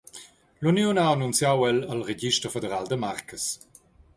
L’uniun ha annunziau el al register federal da marcas.